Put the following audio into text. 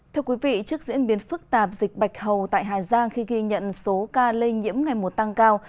thưa quý vị trước diễn biến phức tạp dịch bạch hầu tại hà giang khi ghi nhận số ca lây nhiễm ngày một tăng cao